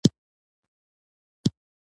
بازار د عرضې او تقاضا توازن ساتي